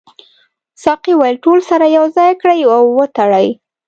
ساقي وویل ټول سره یو ځای کړئ او وتړئ.